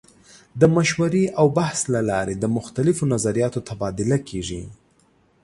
د مشورې او بحث له لارې د مختلفو نظریاتو تبادله کیږي.